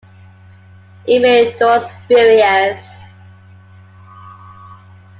It made Dawes furious.